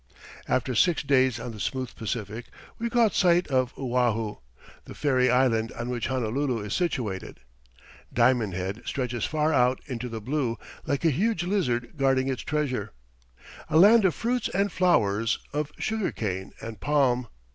After six days on the smooth Pacific, we caught sight of Oahu, the fairy island on which Honolulu is situated. Diamond Head stretches far out into the blue, like a huge lizard guarding its treasure a land of fruits and flowers, of sugar cane and palm.